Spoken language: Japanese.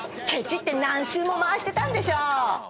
ケチって何周も回してたんでしょ。